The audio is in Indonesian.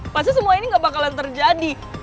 pasti semua ini gak bakalan terjadi